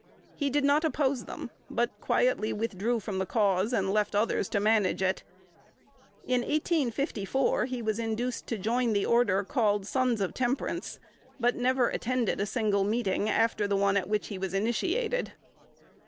He did not oppose them, but quietly withdrew from the cause, and left others to manage it. In 1854 he was induced to join the order called Sons of Temperance, but never attended a single meeting after the one at which he was initiated.